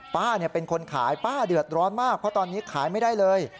ป้าเป็นคนขายป้าเดือดร้อนมากเพราะตอนนี้ขายไม่ได้เลย